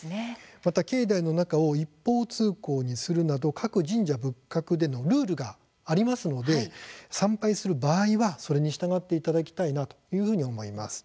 また境内の中を一方通行にするなど各神社仏閣でのルールがありますので参拝する場合はそれに従っていただきたいなというふうに思います。